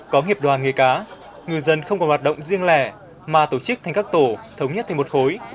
có nghiệp đoàn nghề cá ngư dân không còn hoạt động riêng lẻ mà tổ chức thành các tổ thống nhất thành một khối